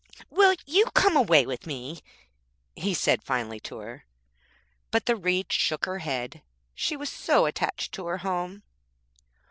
'Will you come away with me?' he said finally to her; but the Reed shook her head, she was so attached to her home.